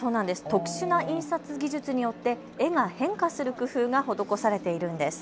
特殊な印刷技術によって絵が変化する工夫が施されているんです。